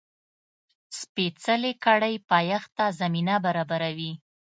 سپېڅلې کړۍ پایښت ته زمینه برابروي.